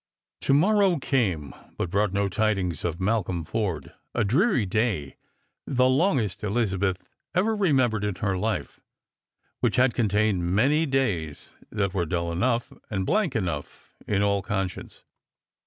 To morrow came, but brought no tidings of i\ralcolm Forde — a dreary day, the longest Elizabeth ever remembered in her life — which had contained many days that were dull enough and Hank enough in all conscience.